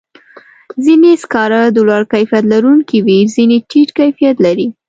ځینې سکاره د لوړ کیفیت لرونکي وي، ځینې ټیټ کیفیت لري.